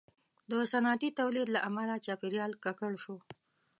• د صنعتي تولید له امله چاپېریال ککړ شو.